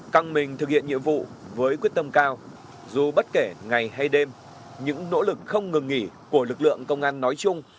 căng mình thực hiện nhiệm vụ với quyết tâm cao dù bất kể ngày hay đêm những nỗ lực không ngừng nghỉ của lực lượng công an nói chung